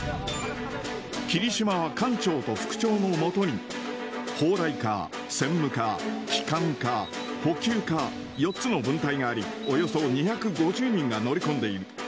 きりしまは、艦長と副長のもとに、砲雷科、船務科、機関科、補給科、４つの分隊があり、およそ２５０人が乗り込んでいる。